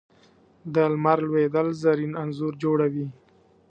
د لمر لوېدل زرین انځور جوړوي